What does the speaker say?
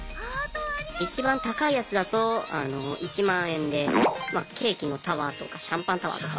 一番高いやつだと１万円でケーキのタワーとかシャンパンタワーとか。